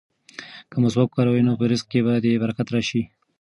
که مسواک وکاروې نو په رزق کې به دې برکت راشي.